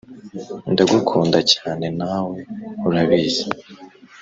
Ndagukunda cyane nawe urabizi